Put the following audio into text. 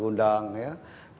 terus kami datang karena diundang